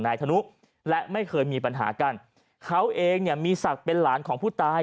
นายธนุและไม่เคยมีปัญหากันเขาเองมีสักเป็นหลานของผู้ตาย